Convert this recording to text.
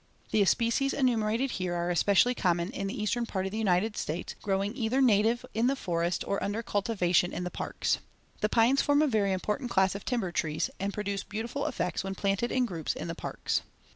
The species enumerated here are especially common in the eastern part of the United states, growing either native in the forest or under cultivation in the parks. The pines form a very important class of timber trees, and produce beautiful effects when planted in groups in the parks.